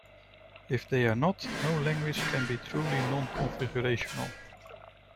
If they are not, no language can be truly non-configurational.